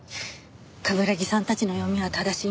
冠城さんたちの読みは正しいんじゃ。